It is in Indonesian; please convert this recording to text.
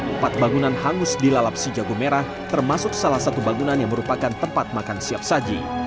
empat bangunan hangus dilalap si jago merah termasuk salah satu bangunan yang merupakan tempat makan siap saji